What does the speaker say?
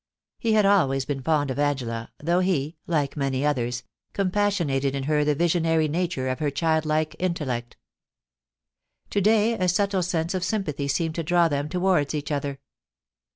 He had always been fond of Angela, though he, like many others, compassionated in her the visionary nature of her childlike intellect To day a subde sense of sympathy seemed to draw them towards each other.